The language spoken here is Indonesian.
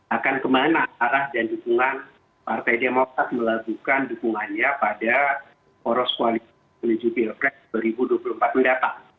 akan kemana arah dan dukungan partai demokrat melakukan dukungannya pada poros koalisi menuju pilpres dua ribu dua puluh empat mendatang